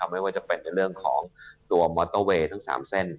ไม่ว่าจะเป็นในเรื่องของตัวมอเตอร์เวย์ทั้ง๓เส้น